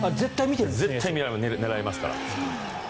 絶対狙いますから。